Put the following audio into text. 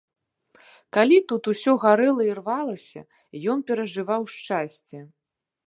Калі тут усё гарэла і рвалася, ён перажываў шчасце.